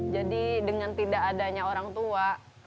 jadi dengan tidak adanya orang tua